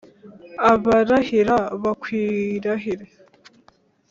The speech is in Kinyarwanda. abarahira bakwirahire